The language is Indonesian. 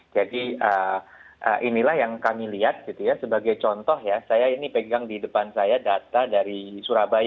jadi inilah yang kami lihat sebagai contoh saya ini pegang di depan saya data dari surabaya misalnya